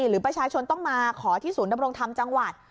หรือประชาชนต้องมาขอที่ศูนย์ดำรงธรรมจังหวัด